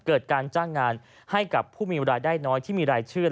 เกิดการจ้างงานให้กับผู้มีรายได้น้อยที่มีรายชื่อ